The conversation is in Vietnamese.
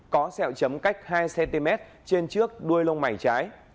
có xeo chấm cách hai cm trên trước đuôi lông mày trái